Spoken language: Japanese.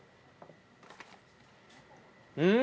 うん！